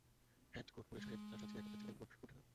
Hat coat পরে সাহেব না সাজলে এখানকার ছেলেদের মন ওঠে না।